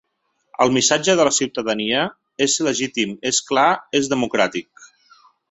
El missatge de la ciutadania és legítim, és clar, és democràtic.